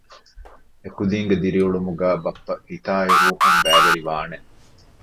އެކުދީންގެ ދިރިއުޅުމުގައި ބައްޕަ ހިތާއި ރޫހުން ބައިވެރިވާނެ